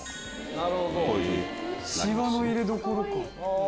シワの入れどころか。